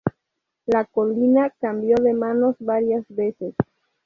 La colina cambió de manos varias veces.